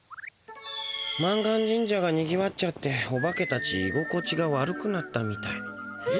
満願神社がにぎわっちゃっておばけたちいごこちが悪くなったみたい。え？